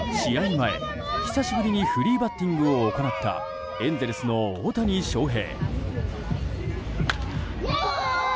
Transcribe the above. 前、久しぶりにフリーバッティングを行ったエンゼルスの大谷翔平。